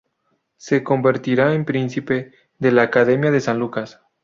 Se convertirá en "príncipe" de la Academia de San Lucas.